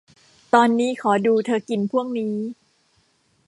ตอนนี้ขอดูเธอกินพวกนี้